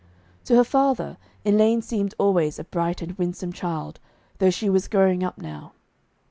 To her father Elaine seemed always a bright and winsome child, though she was growing up now.